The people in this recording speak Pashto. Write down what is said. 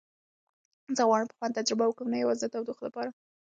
زه غواړم په خوند تجربه وکړم، نه یوازې د تودوخې لپاره.